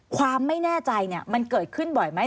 ความไม่แน่ใจมันเกิดขึ้นบ่อยไหม